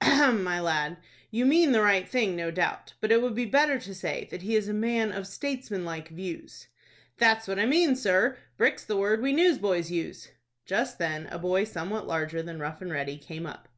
"Ahem, my lad. You mean the right thing, no doubt; but it would be better to say that he is a man of statesman like views." "That's what I mean, sir. Brick's the word we newsboys use." Just then a boy somewhat larger than Rough and Ready came up.